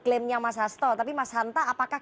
klaimnya mas hasto tapi mas hanta apakah